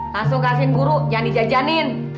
langsung kasih guru jangan dijajanin